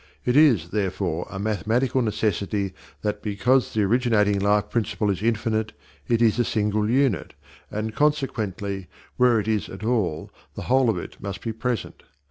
It is, therefore, a mathematical necessity that, because the originating Life principle is infinite, it is a single unit, and consequently, wherever it is at all, the whole of it must be present.